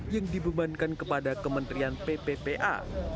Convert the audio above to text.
yang dibebankan kepada kementerian pppa